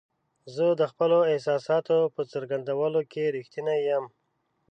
زه د خپلو احساساتو په څرګندولو کې رښتینی یم.